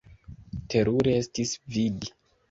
Terure estis vidi!